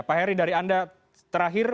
pak heri dari anda terakhir